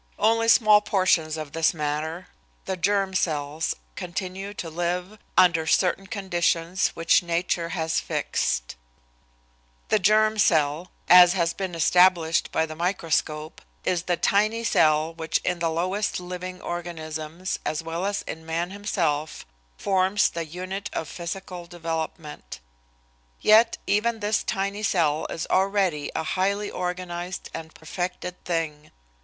Only small portions of this matter, the germ cells, continue to live under certain conditions which nature has fixed. The germ cell as has been established by the microscope is the tiny cell which in the lowest living organisms as well as in man himself, forms the unit of physical development. Yet even this tiny cell is already a highly organized and perfected thing.